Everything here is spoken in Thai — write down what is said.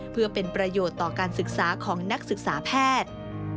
เพื่อเป็นประโยชน์ต่อการศึกษาของนักศึกษาแพทย์